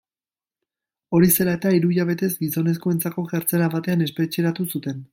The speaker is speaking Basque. Hori zela eta hiru hilabetez gizonezkoentzako kartzela batean espetxeratu zuten.